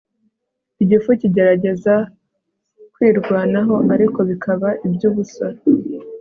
Igifu kigerageza kwirwanaho ariko bikaba ibyubusa